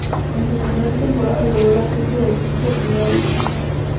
En su primera temporada logró el ascenso del equipo a primera división.